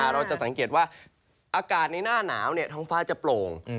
เราจะสังเกตว่าอากาศในหน้าหนาวท้องฟ้าจะโปร่ง